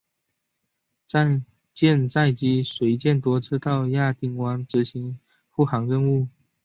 舰载机随舰多次到亚丁湾执行护航任务。